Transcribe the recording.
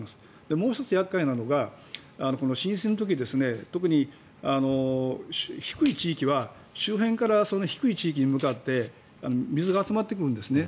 もう１つ厄介なのが浸水の時特に低い地域は周辺から低い地域に向かって水が集まってくるんですね。